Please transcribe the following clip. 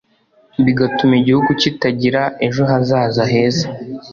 bigatuma igihugu kitagira ejo hazaza heza